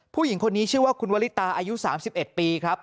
ผู้หญิงคนนี้ชื่อว่าคุณวลิตาอายุ๓๑ปีครับ